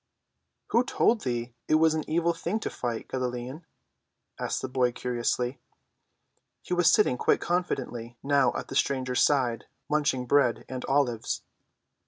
"Who told thee it was an evil thing to fight, Galilean?" asked the boy curiously. He was sitting quite confidently now at the stranger's side, munching bread and olives.